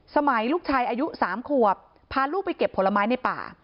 สมัยลูกชายอายุ๓ขวบพาลูกไปเก็บผลไม้ในป่า